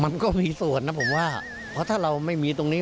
มันก็มีส่วนนะผมว่าเพราะถ้าเราไม่มีตรงนี้